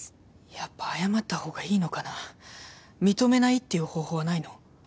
やっぱ謝ったほうがいいのかな認めないっていう方法はないの？